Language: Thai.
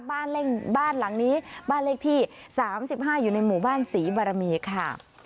บ้านเล่งบ้านหลังนี้บ้านเลขที่สามสิบห้าอยู่ในหมู่บ้านศรีบรมีค่ะ